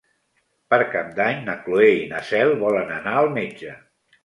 Per Cap d'Any na Cloè i na Cel volen anar al metge.